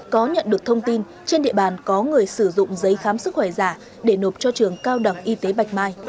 có nhận được thông tin trên địa bàn có người sử dụng giấy khám sức khỏe giả để nộp cho trường cao đẳng y tế bạch mai